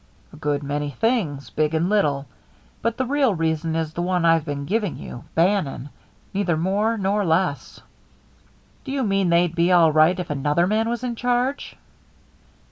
"A good many things, big and little. But the real reason is the one I've been giving you Bannon. Neither more nor less." "Do you mean they'd be all right if another man was in charge?"